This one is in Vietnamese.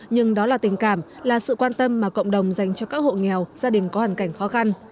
nhưng đó là tình cảm là sự quan tâm mà cộng đồng dành cho các hộ nghèo gia đình có hoàn cảnh khó khăn